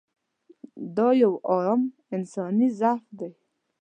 دا یو عام انساني ضعف دی.